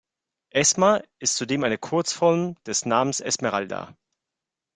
Esma ist zudem eine Kurzform des Namens Esmeralda.